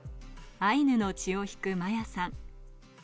アイヌの血を引く摩耶さん。